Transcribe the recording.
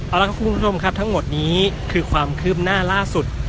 เอาละครับคุณผู้ชมครับทั้งหมดนี้คือความคืบหน้าล่าสุด